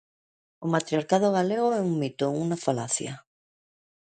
O matriarcado galego é un mito, unha falacia.